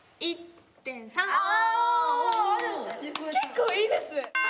お結構いいです。